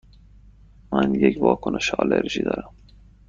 من یک واکنش آلرژی دارم.